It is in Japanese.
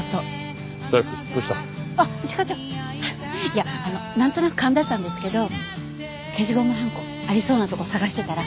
いやなんとなく勘だったんですけど消しゴムはんこありそうな所探してたら。